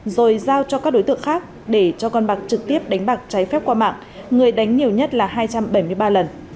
rồi giao cho các đối tượng khác để cho con bạc trực tiếp đánh bạc trái phép qua mạng người đánh nhiều nhất là hai trăm bảy mươi ba lần